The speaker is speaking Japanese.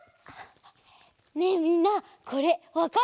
ねえみんなこれわかる？